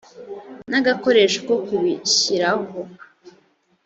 n agakoresho ko kubishyiraho